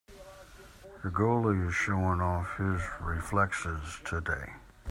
The goalie is showing off his reflexes today.